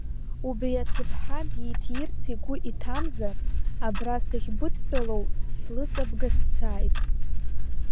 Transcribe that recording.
Убри аҭыԥҳа диҭиирц игәы иҭамзар, абра сахьбыдтәалоу слыҵабга сцааит!